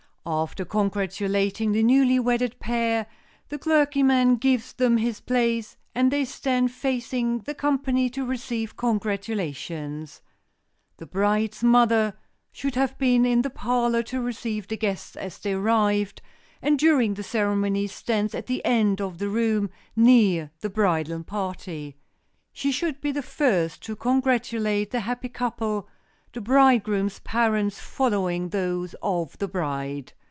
After congratulating the newly wedded pair, the clergyman gives them his place, and they stand facing the company, to receive congratulations. The bride's mother should have been in the parlor to receive the guests as they arrived, and during the ceremony stands at the end of the room near the bridal party. She should be the first to congratulate the happy couple, the bridegroom's parents following those of the bride.